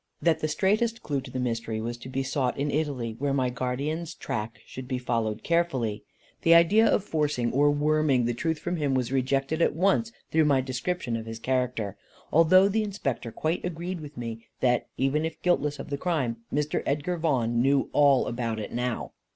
That the straightest clue to the mystery was to be sought in Italy, where my guardian's track should be followed carefully. The idea of forcing, or worming, the truth from him was rejected at once through my description of his character; although the Inspector quite agreed with me, that, even if guiltless of the crime, Mr. Edgar Vaughan knew all about it now.